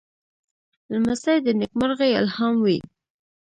لمسی د نېکمرغۍ الهام وي.